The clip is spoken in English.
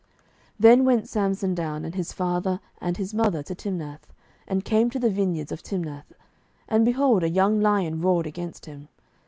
07:014:005 Then went Samson down, and his father and his mother, to Timnath, and came to the vineyards of Timnath: and, behold, a young lion roared against him.